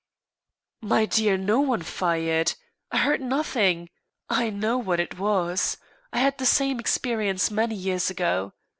"My dear, no one fired. I heard nothing. I know what it was. I had the same experience many years ago.